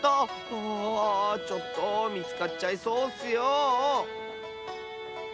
あちょっとみつかっちゃいそうッスよ！